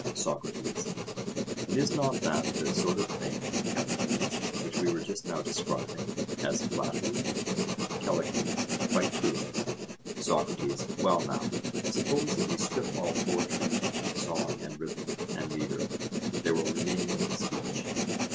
SOCRATES: And is not that the sort of thing, Callicles, which we were just now describing as flattery? CALLICLES: Quite true. SOCRATES: Well now, suppose that we strip all poetry of song and rhythm and metre, there will remain speech?